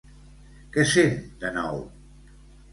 Què sent de nou?